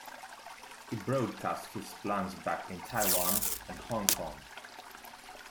He broadcast his plans back in Taiwan and Hong Kong.